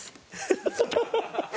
ハハハハハ